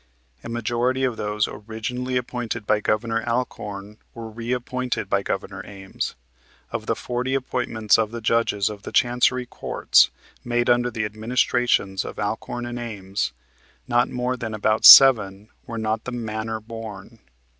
A majority of those originally appointed by Governor Alcorn were reappointed by Governor Ames. Of the forty appointments of Judges of the Chancery Courts made under the administrations of Alcorn and Ames, not more than about seven were not to the "manner born."